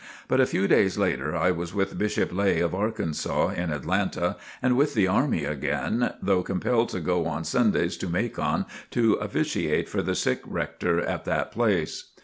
But a few days later I was with Bishop Lay of Arkansas, in Atlanta, and with the army again, though compelled to go on Sundays to Macon to officiate for the sick rector at that place.